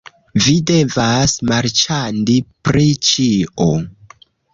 Vi devas marĉandi pri ĉio